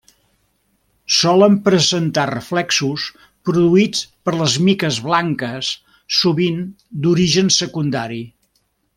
Solen presentar reflexos produïts per les miques blanques, sovint d'origen secundari.